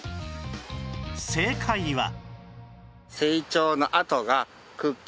正解は